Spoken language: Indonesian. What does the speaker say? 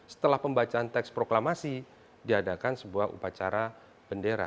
setelah pembacaan teks proklamasi diadakan sebuah upacara bendera